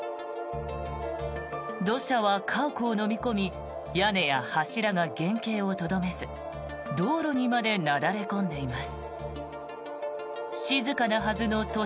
土砂は家屋をのみ込み屋根や柱が原形をとどめず道路にまでなだれ込んでいます。